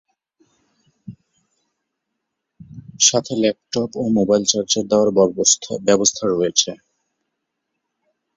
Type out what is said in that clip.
সাথে ল্যাপটপ ও mobile charge দেয়ার ব্যবস্থা রয়েছে।